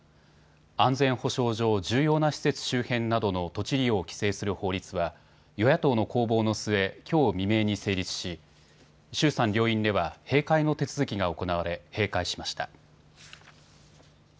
安全保障上、重要な施設周辺などの土地利用を規制する法律は与野党の攻防の末、きょう未明に成立し衆参両院では閉会の手続きが行われ、閉会しました。